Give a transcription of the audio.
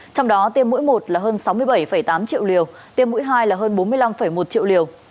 trong đó tiêm mỗi một là hơn sáu mươi bảy tám triệu liều tiêm mũi hai là hơn bốn mươi năm một triệu liều